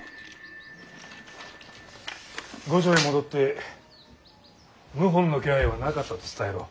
御所へ戻って謀反の気配はなかったと伝えろ。